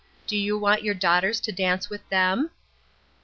Do you want your daughters to dance with them